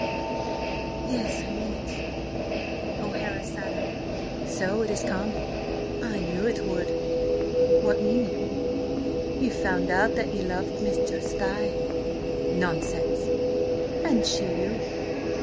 "Yes. I mean it." O'Hara sat up. "So it has come! I knew it would!" "What mean you?" "Ye've found out that ye love Mistress Di." "Nonsense!" "And she you."